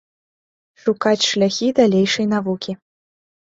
Шукаць шляхі далейшай навукі.